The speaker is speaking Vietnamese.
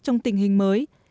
trong tình hình mới